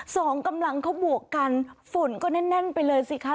สองกำลังเขาบวกกันฝุ่นก็แน่นแน่นไปเลยสิคะ